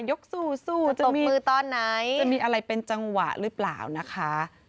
ยกสู้ตบมือตอนไหนจะมีอะไรเป็นจังหวะหรือเปล่านะคะ